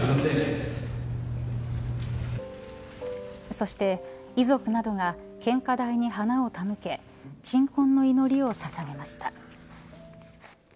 そして遺族などが献花台に花を手向け鎮魂の祈りをささげました。